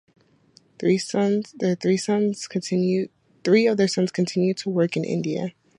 Three of their sons continued to work in India.